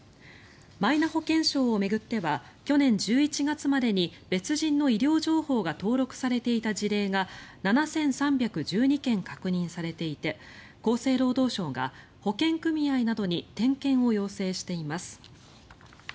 マイナ保険証を巡っては去年１１月までに別人の医療情報が登録されていた事例が７３１２件確認されていて厚生労働省が保険組合などに点検を要請しています。